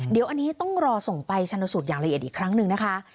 เดี๋ยวอันนี้ต้องรอส่งไปชนสูตรอย่างละเอียดอีกครั้งหนึ่งนะคะ